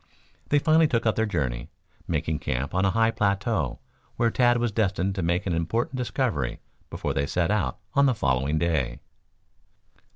They finally took up their journey, making camp on a high plateau where Tad was destined to make an important discovery before they set out on the following day.